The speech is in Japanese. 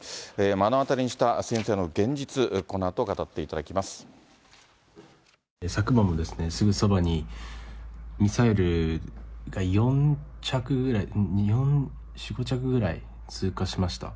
目の当たりにした戦争の現実、昨晩もすぐそばに、ミサイルが４着ぐらい、４、５着ぐらい通過しました。